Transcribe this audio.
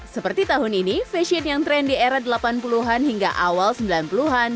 seperti tahun ini fashion yang tren di era delapan puluh an hingga awal sembilan puluh an